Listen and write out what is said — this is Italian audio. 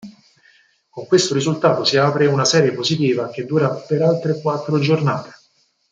Con questo risultato si apre una serie positiva che dura per altre quattro giornate.